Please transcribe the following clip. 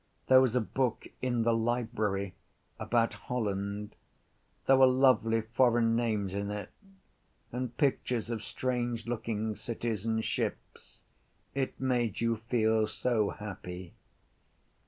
There was a book in the library about Holland. There were lovely foreign names in it and pictures of strangelooking cities and ships. It made you feel so happy.